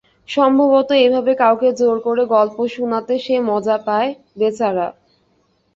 সম্ভবত এভাবে কাউকে জোর করে গল্প শুনাতে সে মজা পায়, বেচারা!